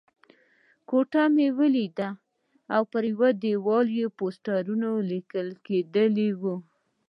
کوټې مې ولیدلې او پر یوه دېوال پوسټرونه لګېدلي وو.